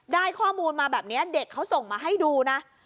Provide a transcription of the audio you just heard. ได้ข้อมูลมาแบบนี้เด็กเขาส่งมาให้ดูนะ